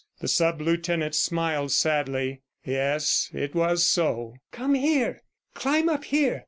The sub lieutenant smiled sadly. Yes, it was so. "Come here; climb up here!"